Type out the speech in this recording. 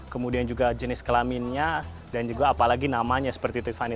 kemudian juga jenis kelaminnya dan juga apalagi namanya seperti tiffany